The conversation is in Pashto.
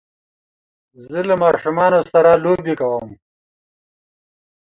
زه له ماشومانو سره لوبی کوم